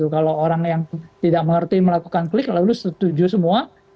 kalau orang yang tidak mengerti melakukan klik lalu setuju semua